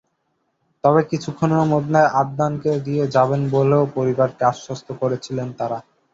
তবে কিছুক্ষণের মধ্যে আদনানকে দিয়ে যাবেন বলেও পরিবারকে আশ্বস্ত করেছিলেন তাঁরা।